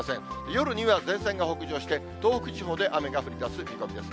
夜には前線が北上して、東北地方で雨が降りだす見込みです。